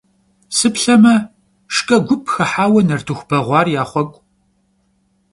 Sıplheme, şşç'e gup xıhaue nartıxu beğuar yaxhuek'u.